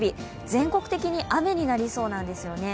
全国的に雨になりそうなんですね。